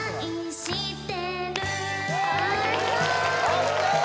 ＯＫ